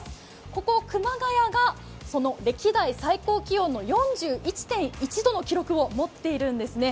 ここ熊谷がその歴代最高気温の４１．１度の記録を持っているんですね。